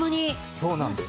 そうなんです。